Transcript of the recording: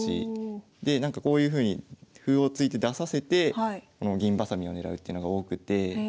でなんかこういうふうに歩を突いて出させてこの銀ばさみを狙うっていうのが多くて。